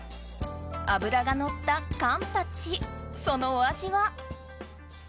脂がのったカンパチそのお味は？